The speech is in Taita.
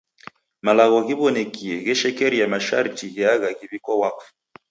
Malagho ghiw'onekie gheshekeria masharti gheagha ghiw'iko wakfu.